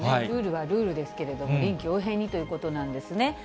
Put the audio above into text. ルールはルールですけれども、臨機応変にということなんですね。